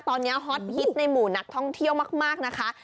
ตอนนี้ฮอตฮิตในหมู่นักท่องเที่ยวมากนะคะ